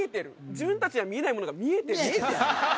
自分達には見えないものが見えてる？